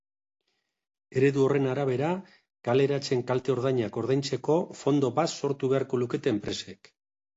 Eredu horren arabera, kaleratzeen kalte-ordainak ordaintzeko fondo bat sortu beharko lukete enpresek.